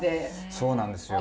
そうなんですよ。